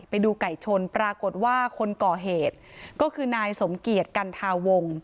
ไปดูไก่ชนปรากฏว่าคนก่อเหตุก็คือนายสมเกียจกันทาวง